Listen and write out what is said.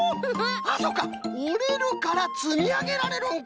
あっそうかおれるからつみあげられるんか！